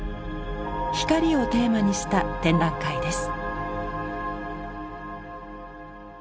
「光」をテーマにした展覧会です。